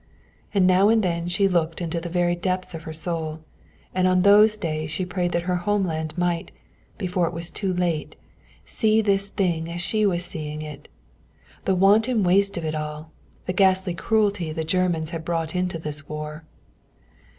And now and then she looked into the very depths of her soul, and on those days she prayed that her homeland might, before it was too late, see this thing as she was seeing it. The wanton waste of it all, the ghastly cruelty the Germans had brought into this war.